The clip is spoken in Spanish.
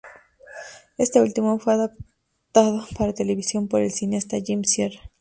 Este último, fue adaptado para televisión por el cineasta Jimmy Sierra.